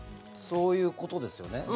そういうことですよね。